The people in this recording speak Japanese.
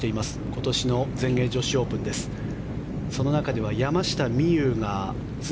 今年の全英女子オープンです。